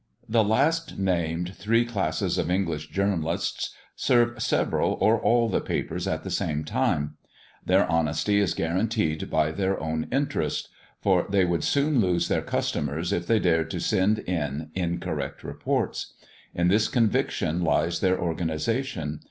The last named three classes of English journalists serve several or all the papers at the same time. Their honesty is guaranteed by their own interest; for they would soon lose their customers if they dared to send in incorrect reports. In this conviction lies their organisation.